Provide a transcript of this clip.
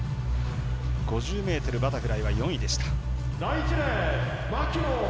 ５０ｍバタフライは４位でした。